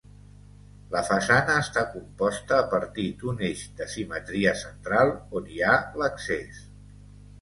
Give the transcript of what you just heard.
La façana està composta a partir d'un eix de simetria central, on hi ha l'accés.